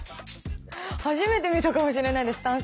初めて見たかもしれないです